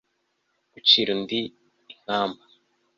gucira undi inkamba